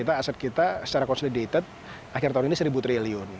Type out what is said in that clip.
aset kita secara konsolidated akhir tahun ini seribu triliun